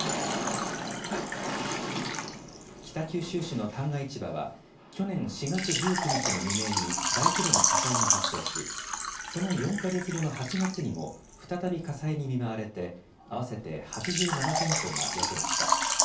北九州市の旦過市場は去年４月１９日の未明に大規模な火災が発生しその４か月後の８月にも再び火災に見舞われて合わせて８７店舗が焼けました。